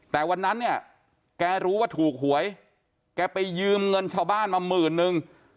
แต่วันนั้นเนี่ยแกรู้ว่าถูกหวยแกไปยืมเงินชาวบ้านมาหมื่นนึง